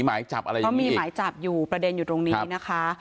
หมายจับอะไรอย่างนี้ก็มีหมายจับอยู่ประเด็นอยู่ตรงนี้นะคะ